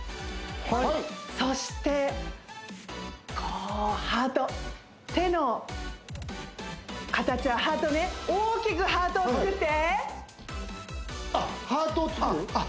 はいそしてこうハート手の形はハートね大きくハートを作ってあハートを作るあ